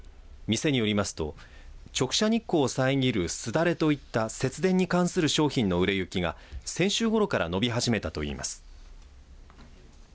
店によりますと直射日光を遮るすだれといった節電に関する商品の売れ行きが先週ごろから伸び始めたといいます。